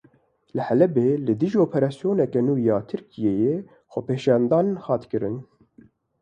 Li Helebê li dijî operasyoneke nû ya Tirkiyeyê xwepêşandan hat kirin.